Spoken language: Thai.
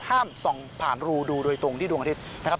ห้ามส่องผ่านรูดูโดยตรงที่ดวงอาทิตย์นะครับ